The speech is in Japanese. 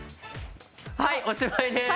はいおしまいです！